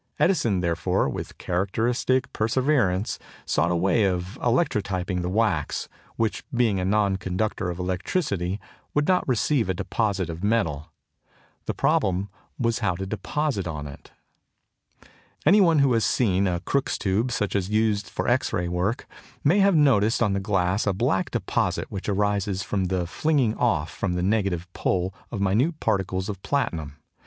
Edison, therefore, with characteristic perseverance, sought a way of electrotyping the wax, which, being a non conductor of electricity, would not receive a deposit of metal. The problem was how to deposit on it. Any one who has seen a Crookes' tube such as is used for X ray work may have noticed on the glass a black deposit which arises from the flinging off from the negative pole of minute particles of platinum.